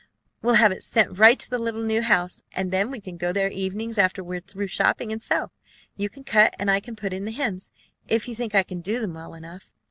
"We'll have it sent right to the little new house, and then we can go there evenings after we are through shopping, and sew. You can cut, and I can put in the hems, if you think I can do them well enough.